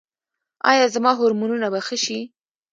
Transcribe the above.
ایا زما هورمونونه به ښه شي؟